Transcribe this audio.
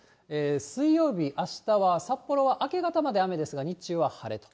水曜日、あしたは札幌は明け方まで雨ですが日中は晴れと。